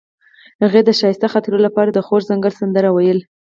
هغې د ښایسته خاطرو لپاره د خوږ ځنګل سندره ویله.